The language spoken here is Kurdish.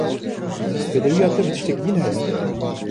Pêdiviya te bi tiştekî din heye?